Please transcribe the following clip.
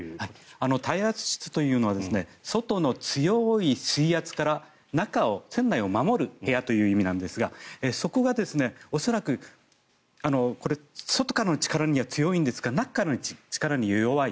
耐圧室というのは外の強い水圧から中を船内を守る部屋という意味なんですがそこが恐らく、ここは外からの力には強いんですが中の力に弱い。